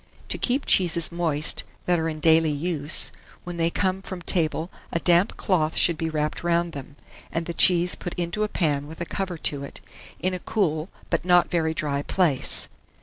To keep cheeses moist that are in daily use, when they come from table a damp cloth should be wrapped round them, and the cheese put into a pan with a cover to it, in a cool but not very dry place.